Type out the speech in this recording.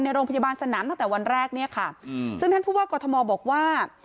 โรงพยาบาลสนามตั้งแต่วันแรกเนี่ยค่ะอืมซึ่งท่านผู้ว่ากอทมบอกว่า